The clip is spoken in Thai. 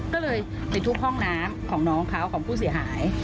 ก็เลยไปทุบห้องน้ำของน้องเขาของผู้เสียหาย